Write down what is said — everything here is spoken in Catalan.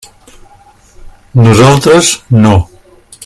Nosaltres no.